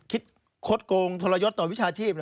คดโกงทรยศต่อวิชาชีพ